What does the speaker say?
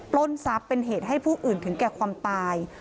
ล้นทรัพย์เป็นเหตุให้ผู้อื่นถึงแก่ความตาย